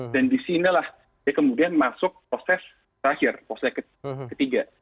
dan di sinilah dia kemudian masuk proses terakhir proses ketiga